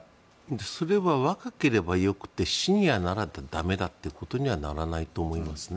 それは若ければよくてシニアなら駄目だということにはならないと思いますね。